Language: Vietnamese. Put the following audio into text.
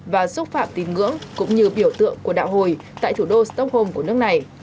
và xúc phạm tín ngưỡng cũng như biểu tượng của đạo hồi tại thủ đô stockholm của nước này